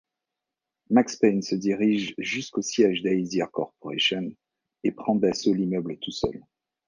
Max Payne se dirige jusqu'au siège d'Aesir Corporation et prend d'assaut l'immeuble tout seul.